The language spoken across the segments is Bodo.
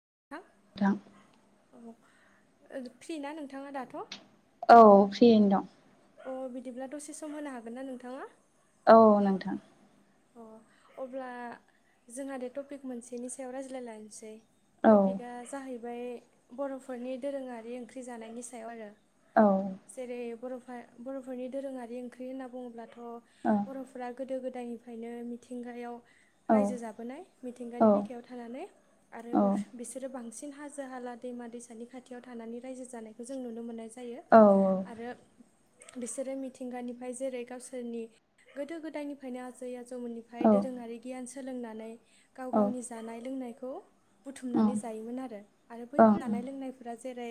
[unintelligible] दां औ फ्रि ना नोंथाङा दाथ'? औ फ्रियैनो दं। अ बिदिब्ला दसे सम होनो हागोन ना नोंथाङा? औ नोंथां। अ अब्ला जोंहा दे टपिक मोनसेनि सायाव रायज्लायलायसै औ टपिकआ जाहैबाय बर'फोरनि दोरोङारि ओंख्रि जानायनि सायाव आरो औ जेरै बर'फोर बर'फोरनि दोरोङारि ओंख्रि होनना बुङोब्लाथ' औ बर'फोरा गोदो गोदायनिफ्रायनो मिथिंगायाव औ रायजो जाबोनाय औ मिथिंगानि बिखायाव थानानै आरो बिसोरो बांसिन हाजो हाला दैमा दैसानि खाथियाव थानानै रायजो जानायखौ जों नुनो मोननाय जायो। जायो औ आरो बिसोरो मिथिंगानिफ्राय जेरै गावसोरनि गोदो गोदायनिफ्रायनो आजै आ जौवमोननिफ्राय दोरोङारि गियान सोलोंनानै गाव गावनि जानाय लोंनायखौ बुथुमनानै जायोमोन आरो आरो बैफोर जानाय लोंनायफोरा जेरै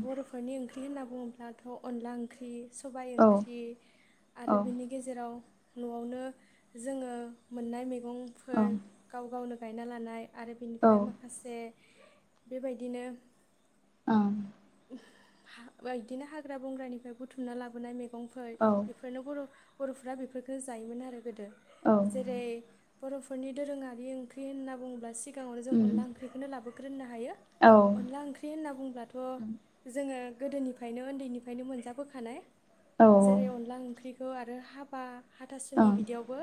बर'फोरनि ओंख्रि होनना बुङोब्लाथ' अनला ओंख्रि सबाय ओंख्रि आरो बिनि गेजेराव न'आवनो जोङो मोननाय मैगंफोर गाव गावनो गायना लानाय आरो बेनिफ्राय माखासे बेबायदिनो औ बिदिनो हाग्रा बंग्रानिफ्राय बुथुमना लाबोनाय मैगंफोर औ बेफोरनो बर' बर'फ्रा बेफोरफोरखौ जायोमोन आरो गोदो। ओं जेरै बर'फोरनि दोरोङारि ओंख्रि होनना बुङोब्ला सिगाङावनो जों अनला ओंख्रिखौनो लाबोग्रोनो हायो। अनला ओंख्रि होनना बुंब्लाथ' जोङो गोदोनिफ्रायनो उन्दैनिफ्रायनो मोनजाबोखानाय ओं जेरै अनला ओंख्रि खौ आरो हाबा औ हाथासुनि ओं बिदियावबो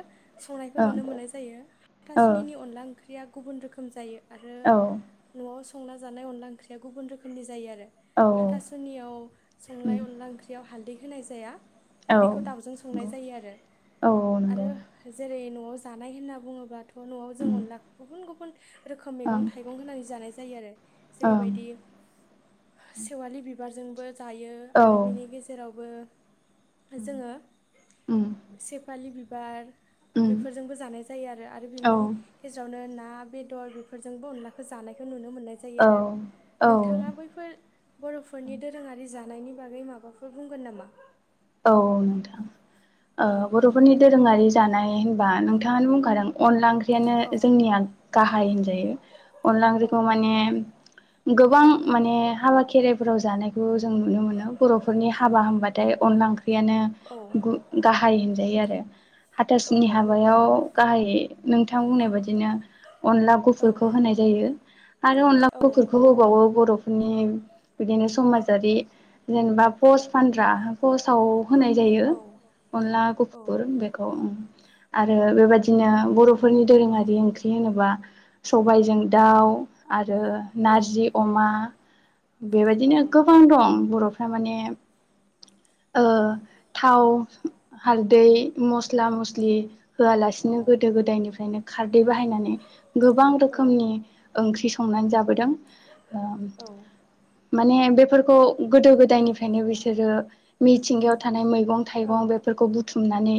संनायखौ नुनो मोन्नाय जायो। औ हाथासुनिनि अनला ओंख्रि ओख्रिया गुबुन रोखोम जायो। आरो औ। न'आव संना जानाय अनला ओंख्रिया गुबुन रोखोमनि जायो आरो। औ हाथासुनियाव उम संनाय अनला ओंख्रियाव हालदै होनाय जाया। औ बेखौ दाउजों संनाय नंगौ जायो आरो। औ आरो नंगौ जेरै नआव आव जानाय होनना बुङोब्लाथ' न'आव जों उम अनला गुबुन गुबुन रोखोम मैगं ओं थाइगं होनानै जानाय जायो आरो ओं जेरैबायदि सेवालि बिबारजोंबो जायो औ आरो बिनि गेजेरावबो उम जोङो उम सेफालि बिबार उम बेफोरजोंबो जानाय जायो आरो बेनि औ गेजेरावनो ना बेदर बेफोरजोंबो अनलाखौ जानायखौ नुनो मोननाय जायो आरो। औ नोंथाङा बैफोर औ बर'फोरनि दोरोङारि जानायनि बागै माबाफोर बुंगोन नामा?? औ नोंथां। औ बर'फोरनि दोरोङारि जानाय होनबा नोंथाङानो बुंखादों अनला ओंख्रियानो औ जोंनिया गाहाय होनजायो। अनला औ ओंख्रिखौ माने गोबां माने हाबा खेराइफोराव जानायखौ जों नुनो मोनो बर'फोरनि हाबा होनबाथाय अनला ओंख्रियानो गाहाय होनजायो आरो। औ हाथासुनि हाबायाव गाहाय नोंथां बुंनाय बायदिनो अनला औ गुफुरखौ होनाय जायो आरो अनला औ गुफुरखौ होबावो बर' नि बिदिनो समाजारि जेनेबा पस्ट फानग्रा पस्टआव होनाय जायो औ अनला गुफुर बेखौ आरो बेबायदिनो बर' फोरनि औ दोरोङारि ओंख्रि होनोबा सबायजों दाउ आरो औ नारजि अमा औ बेबायदिनो गोबां दं बर' थारमाने ओ औ थाव हारलदै मस्ला मस्लि होआलासिनो गोदो गोदायनिफ्रायनो खारदै बाहायनानै गोबां रोखोमनि ओंख्रि संनानै जाबोदों ओ माने बेफोरखौ गोदो गोदायनिफ्रायनो बिसोरो मिथिंगायाव थानाय मैगं थाइगं बेफोरखौ बुथुमनानै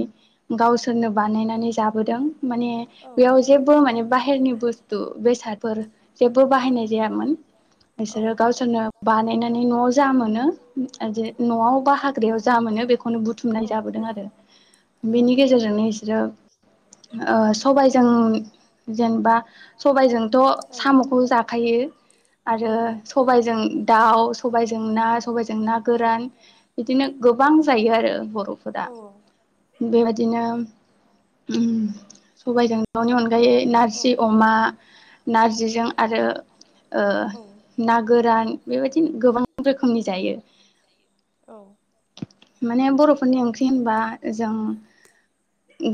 गावसोरनो बानायनानै जाबोदों माने बेयाव जेबो माने बाहेरनि बुस्थु बेसादफोर जेबो बाहायनाय जायामोन औ बिसोरो गावसोरनो बानायनानै न'आव जा मोनो जे न'आव बा हाग्रायाव जा मोनो बेखौनो बुथुमनाय जाबोदों आरो औ बेनि गेजेरजोंनो बिसोरो ओ सबायजों जेनेबा सबायजोंथ' साम'खौ जाखायो आ आरो सबायजों दाउ सबायजों ना सबायजों ना गोरान बिदिनो गो- बां जायो आरो बर'फोरा सबायजों बेबायदिनो सबायजों दाउनि अनगायै नारजि अमा नारजिजों आरो ओ औ ना गोरान बेबायदिनो गोबां रोखोमनि जायो [unintelligible] माने बर' फोरनि ओंख्रि होनबा जों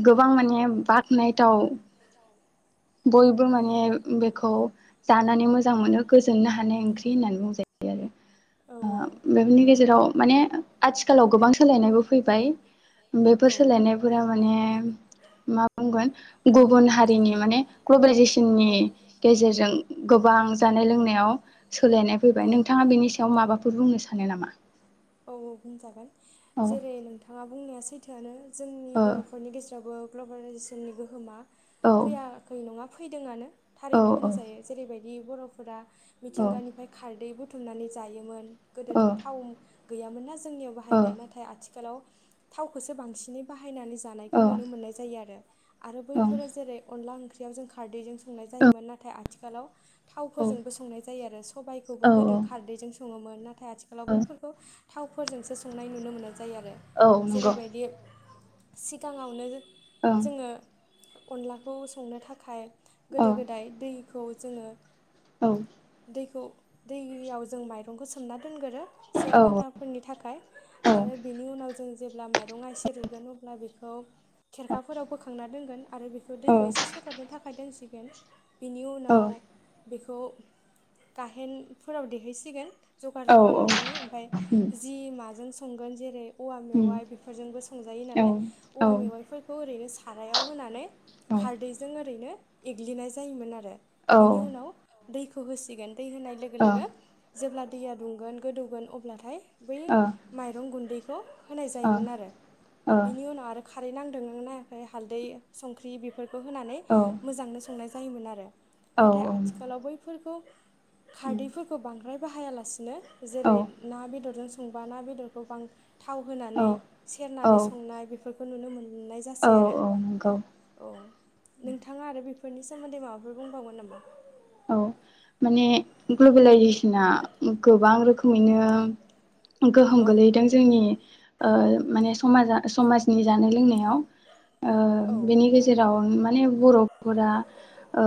गोबां माने बाख्नायथाव बयबो माने बेखौ जानानै मोजां मोनो गोसो बोनो हानाय ओंख्रि होननानै बुंजायो आरो औ औ ओ बेफोरनि गेजेराव माने आथिखालाव गोबां सोलायनायबो फैबाय बेफोर औ सोलायनायफोरा माने मा बुंगोन गुबुन हारिनि माने ग्लबेलाइजेसननि औ गेजेरजों गो- बां जानाय लोंनायाव सोलायनाय फैबाय औ नोंथाङा बेनि सायाव माबाफोर बुंनो सानो नामा औ सानो औ बुंजागोन औ जेरै नोंथाङा बुंनाया सैथोआनो जोंनि ओ बर'फोरनि गेजेरावबो ग्लबेलाइजेसननि गोहोमा औ फैयाखै नङा फैदोंआनो औ थारैनो बुंजायो जेरैबायदि बर'फोरा मिथिंगानिफ्राय खारदै बुथुमनानै जायोमोन गोदोथो औ थाव गैयामोन ना जोंनियाव बाहायनाय नाथाय आथि- खालाव थावखौसो बांसिनै बाहायनानै औ जानायखौ नुनो मोननाय जायो आरो आरो ओं ओं बैफोरो जेरै अनला ओंख्रियाव जों खारदैजों संनाय जायोमोन नाथाय आथिखालाव थावफोरजोंबो संनाय जायो आरो सबायाइखौबो औ गोदो खारदैजों सङोमोन नाथाय आथिखालाव औ बैफोरखौ थावफोरजोंसो संनाय नुनो मोननाय जायो आरो औ नंगौ जेरैबायदि सिगाङावनो ओं जोङो अनलाखौ संनो थाखाय औ गोदो गोदाय दै खौ जोङो औ खौ दैआव जोङो माइरंखौ सोमनानै दोनगोरो से घन्टा थाखाय आरो बिनि उनाव जों जेब्ला माइरङा इसे रुयगोन अब्ला बेखौ खेरखाफोराव बोखांना दोनगोन आरो बेखौ औ दैखौ एसे सगरनो थाखाय दोनसिगोन बिनि औ उनाव बेखौ गाहेनफोराव देहोसिगोन औ जगार खालामनानै ओमफाय उम जि माजों संगोन जेरै औवा उम मेवाइ बेफोरजोंबो संजायो औ नालाय औ औवा मेवाइफोरखौ ओरैनो सा रायाव होनानै औ खारदैजों ओरैनो एग्लिनाय जायोमोन आरो औ ओ बेनि उनाव दैखौ होसिगोन दै होनाय लोगो ओ लोगो जेब्ला दैया दुंगोन गोदौगोन अब्लाथाय बै ओ माइरं गुन्दैखौ होनाय जायोमोन आरो। ओ बिनि उनाव आरो खारै नांदों ना नङाखै हालदै संख्रि बेफोरखौ होनानै औ मोजांनो सं नाय जायोमोन आरो औ नाथाय उम आथिखालाव बैफोर खौ खारदैफोरखौ बांद्राय बाहाया लासिनो औ जेरै ना बेदरजों संबा ना बेदरखौ बां थाव होनानै औ सेरनानै संनाय बेफोरखौ नुनो मोन नाय औ जासै आरो नंगौ औ। नोंथाङा आरो बेफोरनि सोमोन्दै माबाफोर बुंबावगोन नामा? औ माने ग्लबेलाइजेसना गोबां रोखोमैनो गोहोम औ गोलैदों जोंनि ओ माने समाजा समाजनि जानाय लोंनायाव ओ औ बेनि गेजेराव माने बर'फोरा ओ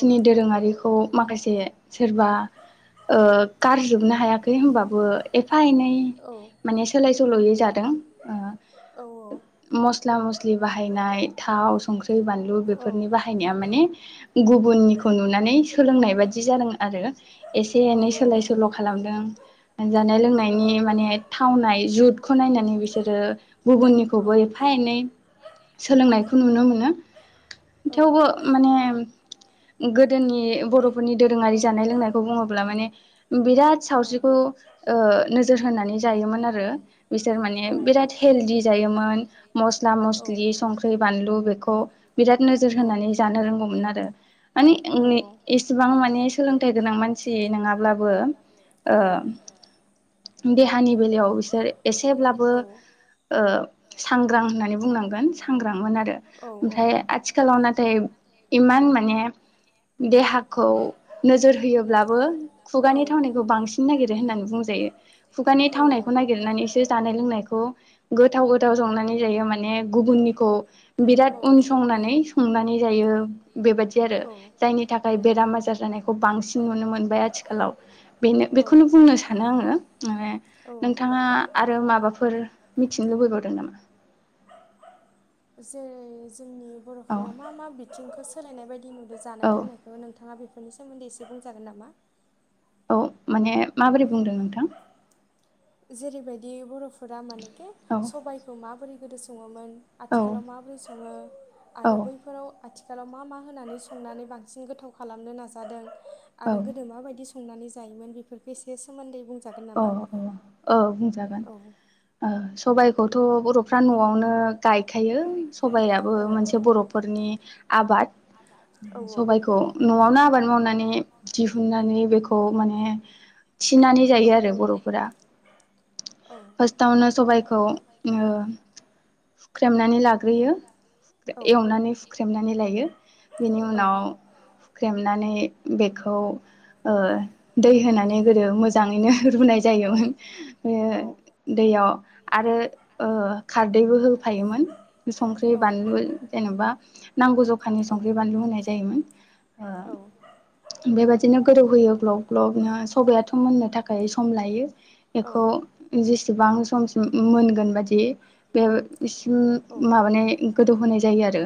औ दोरोङारिख माखासे सोरबा ओ गारजोबनो हायाखै हमबाबो एफ फा एनै औ माने सोलाय सोल'यै जादों औ ओ मस स्ला मस्लि बाहायनाय थाव संख्रि बानलु औ बेफोरनि बाहायनाया माने गुबुननिखौ नुनानै स सोलोंनाय बादि जादों आरो एसे एनै सोलाय सोल' खालामदों जानाय आरो लोंनायनि माने थावनाय जुदखौ नायनानै बिसोरो गुबुननिखौबो एफा एनै सोलोंनायखौ नुनो मोनो औ थेवबो माने गोदोनि बर'फोरनि दोरोङारि जानाय लोंनायखौ बुङोब्ला माने बिराद सावस्रिखौ ओ नोजोर होनानै जायोमोन आरो बिसोर माने बिराद हेलडी जायो। योमोन मस्ला मस्लि संख्रै बानलु बेखौ बिराद नोजोर होनानै जानो रोंगौमोन। मोन आरो माने ए एसेबां माने सोलोंथाइ गोनां मानसि नोङाब्लाबो ओ औ देहानि बेलायाव बिसोर एसेब्लाबो ओ सांग्रां होननानै बुंनांगोन सांग्रां। मोन आरो औ औ ओमफ्राय आथिखालाव नाथाय इमान माने देहाखौ नोजोर होयोब्लाबो खुगानि थावनायखौ बांसिन नागिरो होननानै बुंजायो खुगानि बुंजायो थावनायखौ नागिरनानैसो जानाय लोंनायखौ गोथाव गोथाव संनानै जायो माने ने गुबुननिखौ बिराद उनसंनानै संनानै जायो बेबादि आरो। जायनि थाखाय बेराम आजार जानायखौ बांसिन नुनो मोनबाय आथिखालाव। बेनो बेखौनो बुंनो सानो आङो माने सानो आङो औ नोंथाङा आरो माबाफोर मिथिनो लुबैबावदों नामा जेरै जोंनि औ बर'फोरा मा मा बिथिंखौ सोलायनाय बाय दि नुदो औ जानाय लोंनायखौ नोंथाङा बेफोरनि सोमोन्दै एसे बुंजागोन नामा? औ माने माबोरै बुंदों नोंथां? जेरैबायदि बर'फोरा मानेके औ सबाइखौ माबोरै गोदो सङोमोन आथिखालाव औ माबोरै सङो आरो औ बैफोराव आथि खालाव मा मा होनानै संनानै बांसिन गोथाव खालामनो नाजादों औ आरो गोदो माबादि सं नानै जायोमोन बेफोरखो एसे सोमोन्दै बुंजागोन अ नामा। औ बुंजागोन औ ओ सबायखौथ' बर'फ्रा न'आवनो गायखायो सबायाबो औ मोनसे बर'फोरनि आबाद औ सबायखौ न'आवनो आबाद मावनानै दिहुननानै बेखौ माने थिनानै औ जायो आरो। बर'फोरा फास्टावनो सबायखौ ओ हुख्रेमनानै लाग्रोयो। एवनानै हुख्रेमनानै लायो बेनि औ उनाव ख्रेमनानै बेखौ ओ दै होनानै दै गोदो होनानै होयो मोजाङैनो रुनाय जायो जायोमोन औ बेबायदिनो ओ दैयाव आरो ओ खारदैबो होफ फायोमोन संख्रै गोदौ होयोब्ला बेखौ सबाया बानलु जेन'बा नांगौ जखानि थावनो संख्रै बानलु होनाय जायोमोन। ओ बेबायदिनो गोदौ होयो ग्लब ग्लब सबायाथ' मोननो थाखाय थाखाय सम लायो थाखाय संनाय बेखौ औ जेसेबां समसिम मोनगोन बादि बिसिम औ माबानाय गोदौहोनाय जायो आरो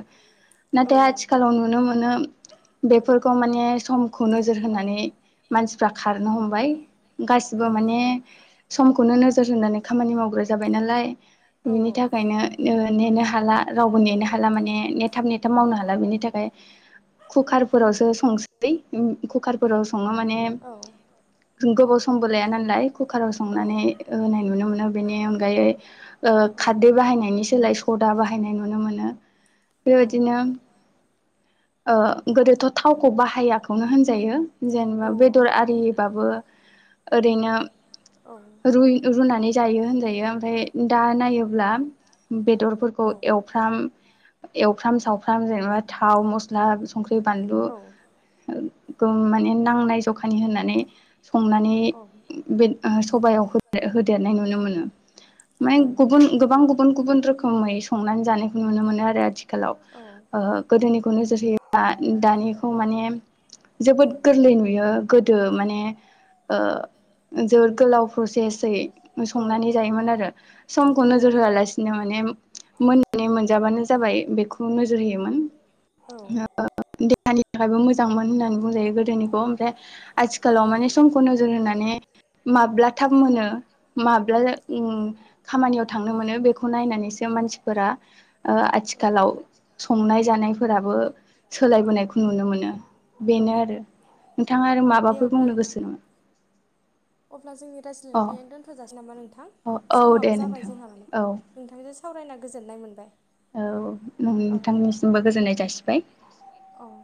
नाथाय जायो आरो औ आथिखालाव नुनो मोनो बेफोरखौ माने सम खौ नोजोर होनानै मानसिफ्रा खारनो हमबाय गासिबो माने समखौनो नोजोर होनानै खामानि मावग्रा जाबाय नालाय बिनि मावग्रा थाखायनो नेनो हाला रावबो नेनो हाला माने नेथाब नेथाब औ मावनो हाला बेनि थाखाय कुकारफोरावसो संसै कुकारफोराव माने गोबाव समबो लाया नालाय कुकार औ संनानै मोननि अनायै खारै बाहायनायनि सोलाय सदा बाहायनाय नुनो मोनो औ बेबायदिनो ओ गोदोथ' थावखौ बाहायाखौनो होनजायो जेनेबा औ बेदर आरिबाबो औ ओरैनो रुनानै जायो होनजायो ओमफ्राय दा नायोब्ला बेदरफोरखौ एवफ्राम एवफ्राम सावफ्राम जेनेबा थाव मस्ला संख्रि बानलु मानि नांनाय जखानि होनानै संनानै बे सबायाव होदेरनाय नुनो मोनो। माने गुबुन गोबां गुबुन गुबुन रोखोमै संनानै जानायखौ नुनो मोनो आरो आथिखालाव। गोदोनिखौ नोजोर होयोबा दानिखौ माने जोबोद मोनो आरो गोरलै नुयो गोदो माने जोबोर गोलाव प्रसेसै संनानै जायोमोन आरो समखौ नोजोर होआलासिनो माने मोन मोनजाबानो जाबाय बेखौ नोजोर होयोमोन होयोमोन औ देहानि थाखायबो मोजांमोन होननानै बुंजायो गोदोनिखौ ओमफ्राय औ आथिखालाव माब्ला थाब माने समखौ नोजोर होनानै माब्ला थाब मोनो मा ब्ला खामानियाव थांनो मोनो बेखौ नायनानैसो मानसिफोरा औ आथिखालाव संनाय जानायफोराबो सोलायबोनायखौ नुनो मोनो औ बेनो आरो। नोंथाङा आरो औ दे माबाफोर अब्ला बुंनो गोसो अब्ला जोंनि अ रायज्लायनाया दोनथ'जासै नामा नोंथां अ औ दे समाबो जाबाय नोंथां जोंहा माने औ नोंथांजों सावरायना गोजोननाय मोनबाय। औ औ दे नोंथांनिसिमबो गोजोननाय जासिबाय औ